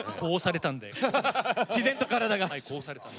自然と体が。